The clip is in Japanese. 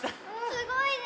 すごいね。